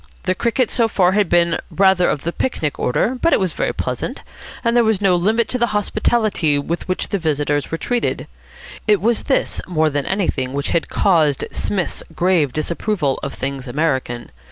The cricket so far had been rather of the picnic order, but it was very pleasant; and there was no limit to the hospitality with which the visitors were treated. It was this more than anything which had caused Psmith's grave disapproval of things American.